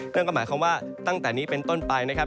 นั่นก็หมายความว่าตั้งแต่นี้เป็นต้นไปนะครับ